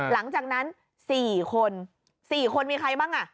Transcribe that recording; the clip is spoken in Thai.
หลังจากนั้นสี่คนสี่คนมีใครบ้าง